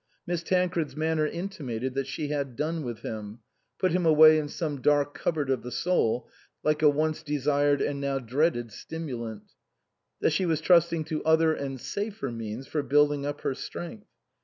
Miss Tancred's manner intimated that she had done with him, put him away in some dark cupboard of the soul, like a once desired and now dreaded stimulant, that she was trusting to other and safer means for building up her strength.